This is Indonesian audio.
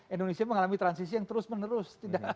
indonesia mengalami transisi yang terus menerus